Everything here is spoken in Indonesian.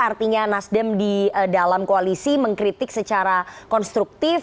artinya nasdem di dalam koalisi mengkritik secara konstruktif